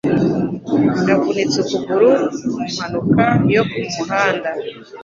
Navunitse ukuguru mu mpanuka yo mu muhanda.